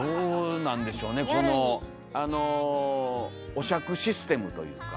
お酌システムというか。